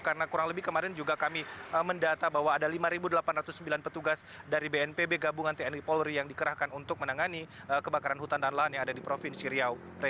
karena kurang lebih kemarin juga kami mendata bahwa ada lima delapan ratus sembilan petugas dari bnpb gabungan tni polri yang dikerahkan untuk menangani kebakaran hutan dan lain yang ada di provinsi riau